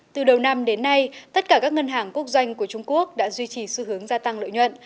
từ đầu năm đến nay tất cả các ngân hàng quốc doanh của trung quốc đã duy trì xu hướng gia tăng lợi nhuận